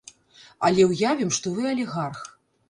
Але уявім, што вы алігарх.